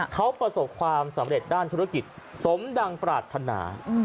เขาประสบความสำเร็จด้านธุรกิจสมดังปรารถนา